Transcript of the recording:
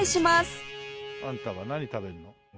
あんたは何食べるの？